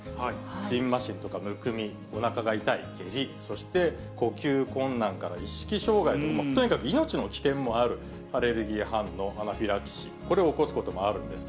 じんましんとかむくみ、おなかが痛い、下痢、そして呼吸困難から意識障害と、とにかく命の危険もあるアレルギー反応、アナフィラキシー、これを起こすこともあるんです。